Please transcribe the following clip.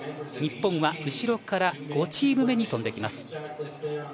日本は後ろから５チーム目に飛んできます。